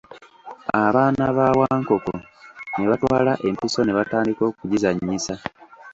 Abaana ba Wankoko ne batwala empiso ne batandika okugizannyisa.